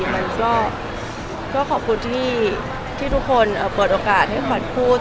มันก็ขอบคุณที่ทุกคนเปิดโอกาสให้ขวัญพูด